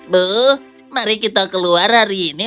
bu mari kita keluar hari ini